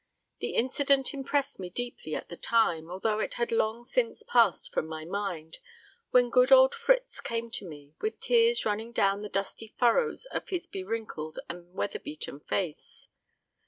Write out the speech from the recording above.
The incident impressed me deeply at the time, although it had long since passed from my mind, when good old Fritz came to me, with tears running down the dusty furrows of his be wrinkled and weather beaten face.